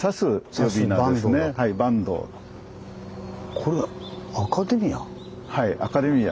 これ「アカデミア」？